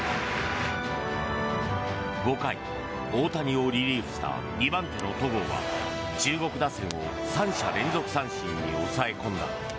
５回、大谷をリリーフした２番手の戸郷は中国打線を３者連続三振に抑え込んだ。